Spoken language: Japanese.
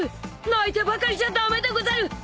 泣いてばかりじゃ駄目でござる。